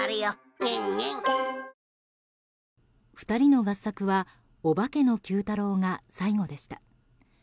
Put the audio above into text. ２人の合作は「オバケのＱ太郎」が最後でした。